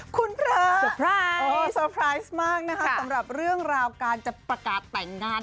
คุณเผลอสเตอร์ไพรส์สเตอร์ไพรส์มากนะครับสำหรับเรื่องราวการจะประกาศแต่งงาน